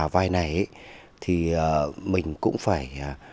vào vai này ấy thì mình cũng phải